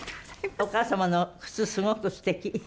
お母様の靴すごくすてき。